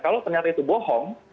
kalau ternyata itu bohong